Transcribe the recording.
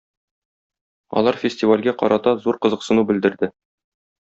Алар фестивальгә карата зур кызыксыну белдерде.